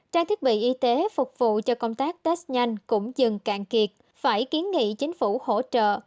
trang thiết bị y tế phục vụ cho công tác test nhanh cũng dừng cạn kiệt phải kiến nghị chính phủ hỗ trợ